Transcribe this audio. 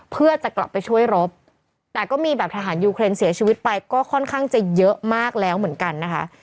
เพื่อจะกลับไปช่วยรบแต่ก็มีแบบทหารยูเครนเสียชีวิตไปก็ค่อนข้างจะเยอะมากแล้วเหมือนกันนะคะ